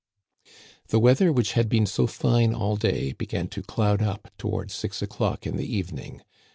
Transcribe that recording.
The weather, which had been so fine all day, began to cloud up toward six o'clock in the evening.